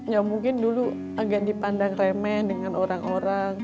ya mungkin dulu agak dipandang remeh dengan orang orang